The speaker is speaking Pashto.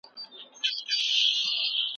د څېړني موضوع باید د ټولني له اړتیاوو سره سمه وي.